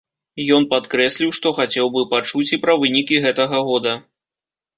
Ён падкрэсліў, што хацеў бы пачуць і пра вынікі гэтага года.